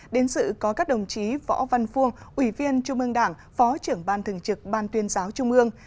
đến sự có các đồng chí võ văn phuông ủy viên trung ương đảng phó trưởng ban thường trực ban tuyên giáo trung ương